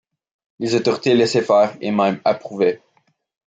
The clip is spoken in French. Les autorités laissaient faire, et même approuvaient.